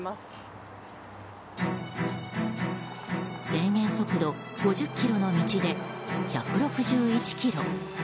制限速度５０キロの道で１６１キロ。